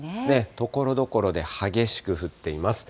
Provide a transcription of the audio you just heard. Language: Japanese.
ところどころで激しく降っています。